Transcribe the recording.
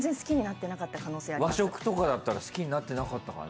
和食とかだったら好きになってなかったかな？